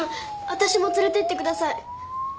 私も連れてってください